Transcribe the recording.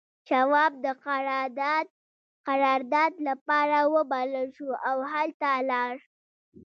شواب د قرارداد لپاره وبلل شو او هلته لاړ